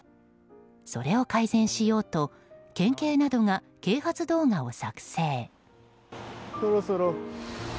それを改善しようと県警などが啓発動画を作成。